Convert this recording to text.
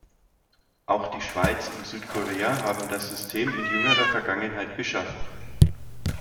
Auch die Schweiz und Südkorea haben das System in jüngerer Vergangenheit beschafft.